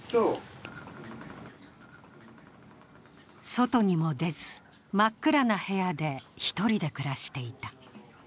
外にも出ず、真っ暗な部屋で１人で暮らしていた。